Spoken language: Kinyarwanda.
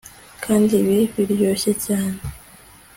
Kandi ibi biryoshye cyane